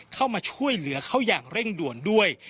เข้ามาช่วยเหลือเขาอย่างเร่งด่วนด้วย